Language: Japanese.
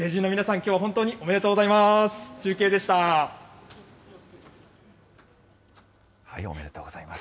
きょうは本当におめでとうごありがとうございます。